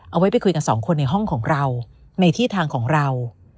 เอาไว้ไปคุยกันสองคนในห้องของเราในที่ทางของเรา